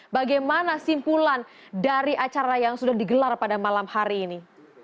bagaimana simpulan dari acara yang sudah digelar pada malam hari ini